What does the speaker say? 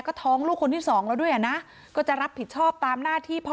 ก็ท้องลูกคนที่สองแล้วด้วยอ่ะนะก็จะรับผิดชอบตามหน้าที่พ่อ